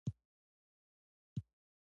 دولتونه انتخابي او زورواکي وي.